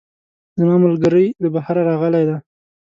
زما ملګرۍ له بهره راغلی ده